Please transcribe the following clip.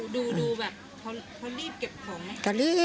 ดูเขารีบเก็บของไง